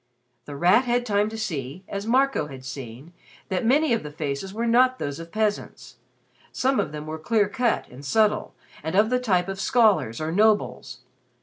The Rat had time to see, as Marco had seen, that many of the faces were not those of peasants. Some of them were clear cut and subtle and of the type of scholars or nobles.